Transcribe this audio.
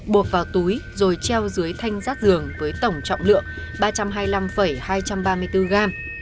buộc vào túi rồi treo dưới thanh giác giường với tổng trọng lượng ba trăm hai mươi năm hai trăm ba mươi bốn gram